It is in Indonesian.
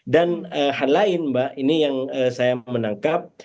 dan hal lain mbak ini yang saya menangkap